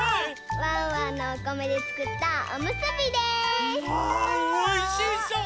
ワンワンのおこめでつくったおむすびです。わおいしそう！